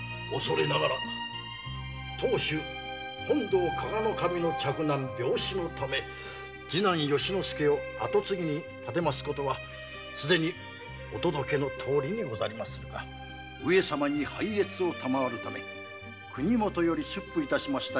当主本堂加賀守の嫡男病死のため次男由之助を跡継ぎに立てます事はすでにお届けのとおりにござりますが上様に拝謁賜るため国元より出府致しました